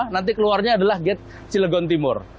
nanti keluarnya adalah gate cilegon timur